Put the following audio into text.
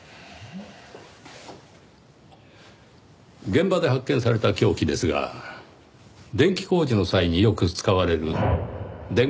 現場で発見された凶器ですが電気工事の際によく使われる電工ナイフでした。